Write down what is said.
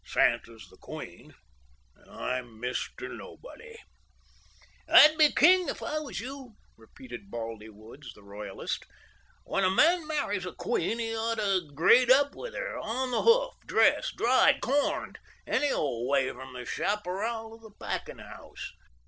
Santa's the 'queen'; and I'm Mr. Nobody." "I'd be king if I was you," repeated Baldy Woods, the royalist. "When a man marries a queen he ought to grade up with her—on the hoof— dressed—dried—corned—any old way from the chaparral to the packing house.